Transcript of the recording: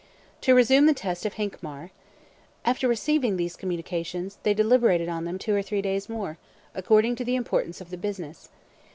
To resume the text of Hincmar: "After having received these communications, they deliberated on them two or three days or more, according to the importance of the business.